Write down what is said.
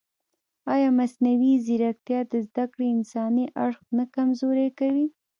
ایا مصنوعي ځیرکتیا د زده کړې انساني اړخ نه کمزوری کوي؟